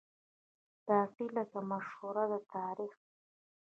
باقي لکه مشهوره ده تاریخ دی